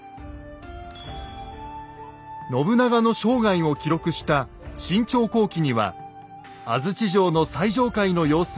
信長の生涯を記録した「信長公記」には安土城の最上階の様子が次のように書かれています。